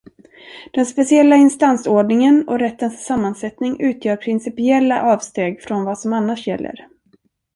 Den speciella instansordningen och rättens sammansättning utgör principiella avsteg från vad som annars gäller.